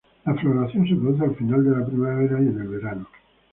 La floración se produce al final de la primavera y en el verano.